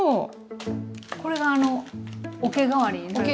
これがあのおけ代わりになるという。